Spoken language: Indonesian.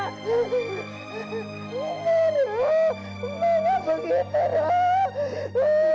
nanti mak aku keterang